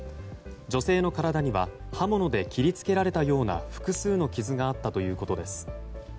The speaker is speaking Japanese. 女性の体には刃物で切り付けられたような複数の傷があったということです。